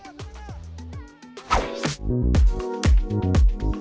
bisa tapi harus berhasil